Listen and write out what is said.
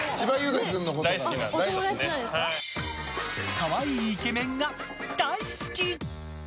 可愛いイケメンが大好き。